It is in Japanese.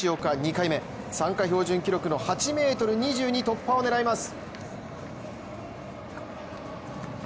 ２回目、参加標準記録の８ｍ２２突破を狙います。